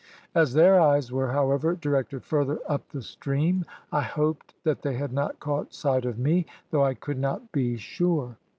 As their eyes were, however, directed further up the stream, I hoped that they had not caught sight of me, though I could not be sure.